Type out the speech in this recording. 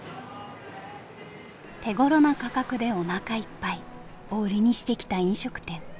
「手ごろな価格でおなかいっぱい」を売りにしてきた飲食店。